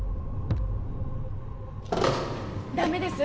駄目です。